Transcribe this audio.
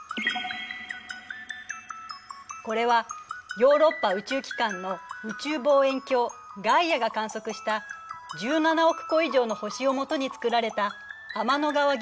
これはヨーロッパ宇宙機関の宇宙望遠鏡ガイアが観測した１７億個以上の星をもとに作られた天の川銀河の全天図。